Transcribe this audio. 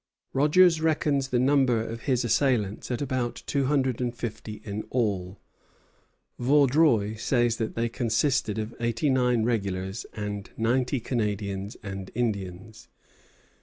Rogers reckons the number of his assailants at about two hundred and fifty in all. Vaudreuil says that they consisted of eighty nine regulars and ninety Canadians and Indians.